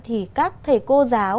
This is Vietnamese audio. thì các thầy cô giáo